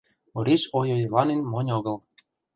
Ориш ойойланен монь огыл.